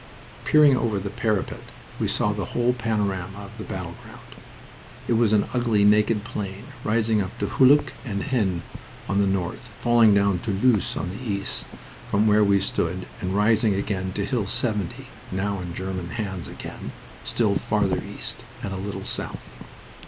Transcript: Peering over the parapet, we saw the whole panorama of the battleground. It was but an ugly, naked plain, rising up to Hulluch and Haisnes on the north, falling down to Loos on the east, from where we stood, and rising again to Hill 70 (now in German hands again), still farther east and a little south.